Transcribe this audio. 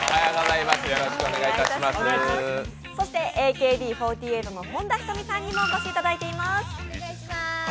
ＡＫＢ４８の本田仁美さんにもお越しいただいています。